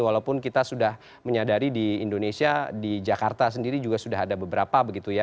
walaupun kita sudah menyadari di indonesia di jakarta sendiri juga sudah ada beberapa begitu ya